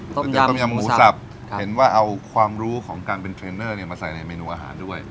๋วเตี๋ต้มยำหมูสับเห็นว่าเอาความรู้ของการเป็นเทรนเนอร์มาใส่ในเมนูอาหารด้วย